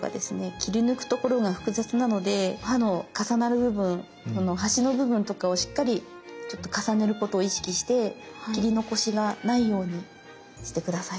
切り抜くところが複雑なので刃の重なる部分この端の部分とかをしっかり重ねることを意識して切り残しがないようにして下さい。